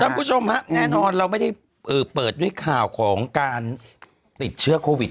คุณผู้ชมฮะแน่นอนเราไม่ได้เปิดด้วยข่าวของการติดเชื้อโควิด